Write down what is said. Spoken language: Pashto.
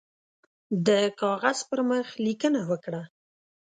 د کاغذ پر مخ لیکنه وکړه.